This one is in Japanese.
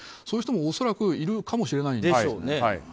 そういう人も恐らくいるかもしれない。